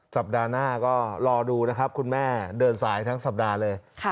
สัปดาห์หน้าก็รอดูนะครับคุณแม่เดินสายทั้งสัปดาห์เลย